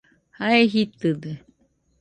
Jae jitɨde